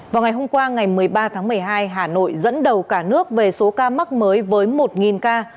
vào ngày hôm qua ngày một mươi ba tháng một mươi hai hà nội dẫn đầu cả nước về số ca mắc mới với một ca